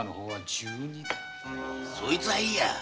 そいつはいい。